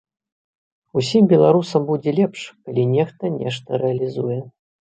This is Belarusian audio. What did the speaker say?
Усім беларусам будзе лепш, калі нехта нешта рэалізуе.